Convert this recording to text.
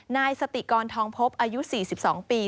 นายสติกรทองพบอายุ๔๒ปี